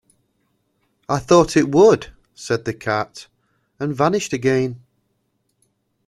‘I thought it would,’ said the Cat, and vanished again.